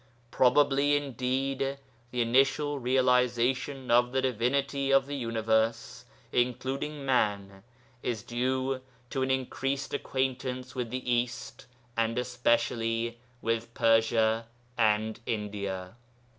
Probably indeed the initial realization of the divinity of the universe (including man) is due to an increased acquaintance with the East and especially with Persia and India.